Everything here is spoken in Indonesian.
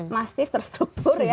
masif terstruktur ya